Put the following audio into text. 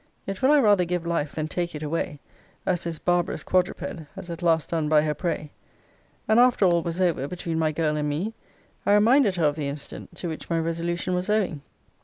Yet will I rather give life than take it away, as this barbarous quadruped has at last done by her prey. And after all was over between my girl and me, I reminded her of the incident to which my resolution was owing.